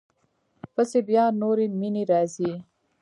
پسې بیا نورې مینې راځي.